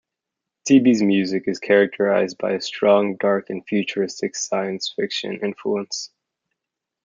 Teebee's music is characterised by a strong dark and futuristic science fiction influence.